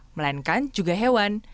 melainkan juga hewan